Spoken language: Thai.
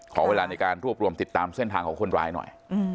ขอเวลาในการรวบรวมติดตามเส้นทางของคนร้ายหน่อย